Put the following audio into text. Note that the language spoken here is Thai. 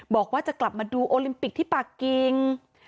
บอกว่าจะกลับมาดูโอลิมปิกที่ปากกิง